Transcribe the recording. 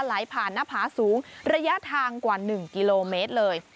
ไหลผ่านหน้าผาสูงระยะทางกว่า๑กิโลเมตรเลย